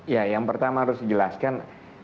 ya yang pertama harus dijelaskan